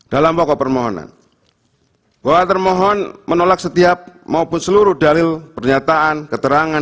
dalam pokok permohonan bahwa termohon menolak setiap maupun seluruh dalil pernyataan keterangan